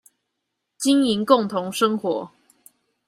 經營共同生活